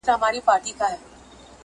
چي نعمت جان هغه کندهاری ځوان دی